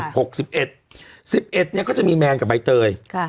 ๑๖๑๑๑๑เนี่ยก็จะมีแมนกับใบเตย